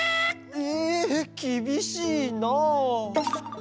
ええきびしいなあ。